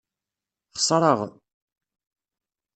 Xeṣreɣ.